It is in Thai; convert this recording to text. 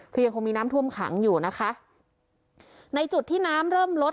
คือยังคงมีน้ำท่วมขังอยู่นะคะในจุดที่น้ำเริ่มลด